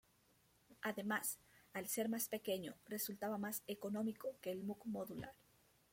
Además, al ser más pequeño, resultaba más económico que el Moog Modular.